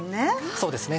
そうですね。